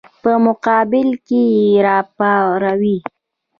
په مقابل کې یې راپاروي.